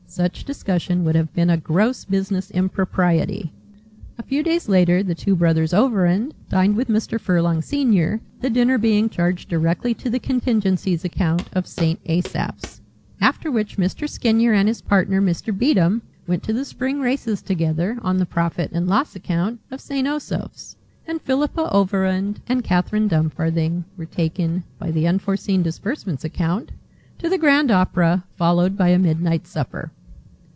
Such discussion would have been a gross business impropriety. A few days later the two brothers Overend dined with Mr. Furlong senior, the dinner being charged directly to the contingencies account of St. Asaph's. After which Mr. Skinyer and his partner, Mr. Beatem, went to the spring races together on the Profit and Loss account of St. Osoph's, and Philippa Overend and Catherine Dumfarthing were taken (by the Unforeseen Disbursements Account) to the grand opera, followed by a midnight supper.